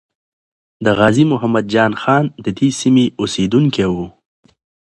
د غازی محمد جان خان ددې سیمې اسیدونکی وو.